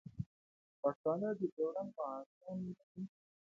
پښتانه د ډیورنډ معاهده نه مني